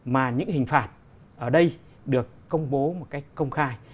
mà những hình phạt ở đây được công bố một cách công khai